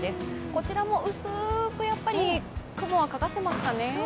こちらも薄く雲がかかっていますかね。